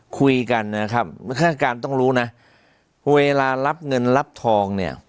คุยกันนะครับฆาตการต้องรู้นะเวลารับเงินรับทองเนี่ย